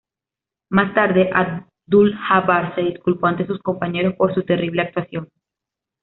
Más tarde, Abdul-Jabbar se disculpó ante sus compañeros por su terrible actuación.